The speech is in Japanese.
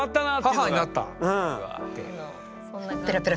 母になったって。